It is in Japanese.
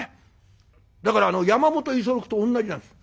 だから山本五十六とおんなじなんです。